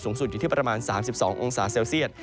สุดอยู่ที่ประมาณ๓๒องศาเซลเซียต